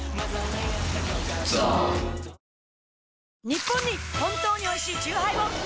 ニッポンに本当においしいチューハイを！